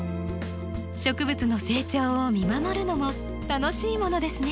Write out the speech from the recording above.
植物の成長を見守るのも楽しいものですね。